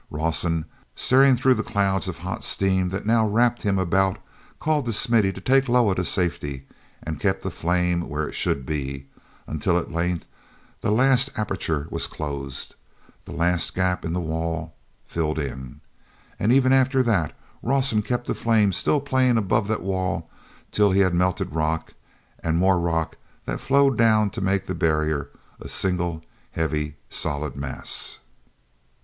Rawson, staring through the clouds of hot steam that now wrapped him about, called to Smithy to take Loah to safety, and kept the flame where it should be—until at length the last aperture was closed, the last gap in the wall filled in. And even after that Rawson kept the flame still playing above that wall till he had melted rock and more rock that flowed down to make the barrier a single heavy, solid mass.